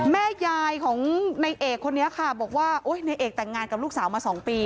แม่ยายของในเอกคนนี้ค่ะบอกว่านายเอกแต่งงานกับลูกสาวมา๒ปี